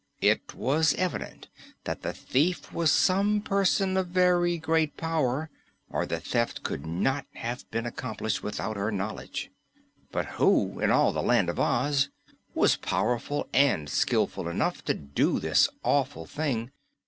It was evident that the thief was some person of very great power, or the theft could not have been accomplished without her knowledge. But who, in all the Land of Oz, was powerful and skillful enough to do this awful thing?